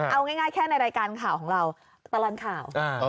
เอาง่ายแค่ในรายการข่าวของเราตลอดข่าว